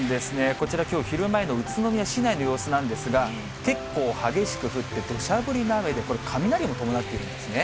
こちら、きょう昼前の宇都宮市内の様子なんですが、結構、激しく降って、どしゃ降りの雨で、これ、雷も伴っているんですね。